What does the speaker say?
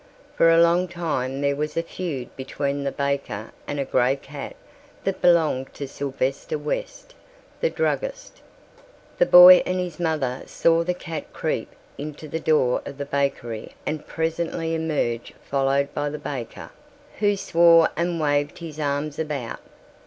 For a long time there was a feud between the baker and a grey cat that belonged to Sylvester West, the druggist. The boy and his mother saw the cat creep into the door of the bakery and presently emerge followed by the baker, who swore and waved his arms about.